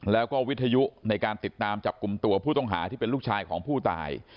แล้วก็วิทยุในการติดตามจับกลุ่มตัวผู้ต้องหาที่เป็นลูกชายของผู้ตาย